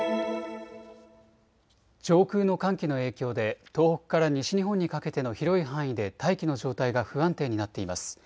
上空の寒気の影響で東北から西日本にかけての広い範囲で大気の状態が不安定になっています。